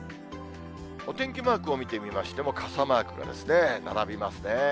お天気マークを見てみましても、傘マークが並びますね。